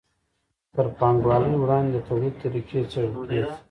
تر پانګوالۍ وړاندې د توليد طریقې څیړل کیږي.